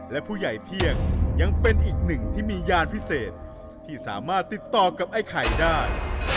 และผู้ใหญ่เที่ยงยังเป็นอีกหนึ่งที่มียานพิเศษที่สามารถติดต่อกับไอ้ไข่ได้